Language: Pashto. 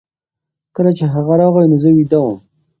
کله چې هغه راغی نو زه ویده وم.